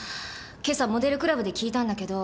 今朝モデルクラブで聞いたんだけど。